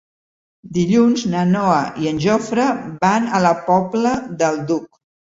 Dilluns na Noa i en Jofre van a la Pobla del Duc.